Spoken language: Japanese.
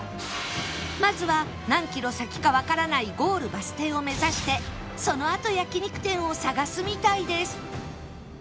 まずは何キロ先かわからないゴールバス停を目指してそのあと焼肉店を探すみたいです